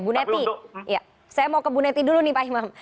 bu neti saya mau ke bu neti dulu nih pak imam